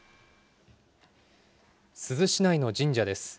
珠洲市内の神社です。